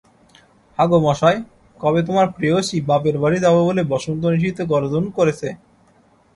হাঁগো মশায়, কবে তোমার প্রেয়সী বাপের বাড়ি যাব বলে বসন্তনিশীথে গর্জন করেছে?